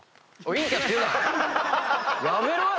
やめろよ！